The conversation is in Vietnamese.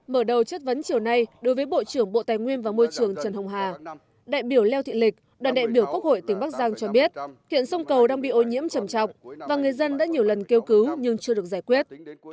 mở đầu chất vấn chiều nay đối với bộ trưởng bộ tài nguyên và môi trường trần hồng hà đại biểu leo thị lịch đoàn đại biểu quốc hội tỉnh bắc giang cho biết hiện sông cầu đang bị ô nhiễm chầm chọc và người dân đã nhiều lần kêu cứu nhưng chưa được giải quyết